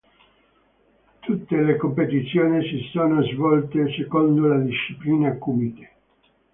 Tutte le competizioni si sono svolte secondo la disciplina kumite.